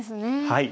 はい。